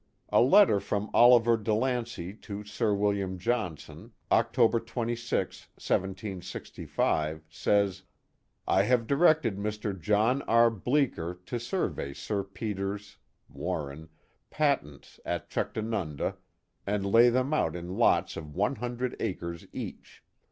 A letter from Oliver DeLancy to Sir William Johnson. October 26, 1 765, says: " I have directed Mr. John R. Blccker to survey Sir Peter's (Warren) Patents at ' Chuctanunda ' and lay them out in lots of one hundred acres each.